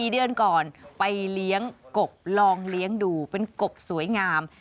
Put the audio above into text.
๔เดือนก่อนไปเลี้ยงกบลองเลี้ยงดูเป็นกบสวยงาม